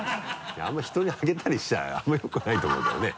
人にあげたりしたらあんまりよくないと思うけどね。